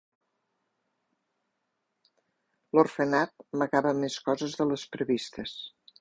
L'orfenat amagava més coses de les previstes.